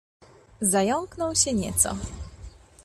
"Zająknął się nieco."